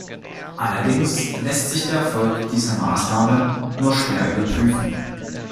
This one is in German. Allerdings lässt sich der Erfolg dieser Maßnahmen nur schwer überprüfen.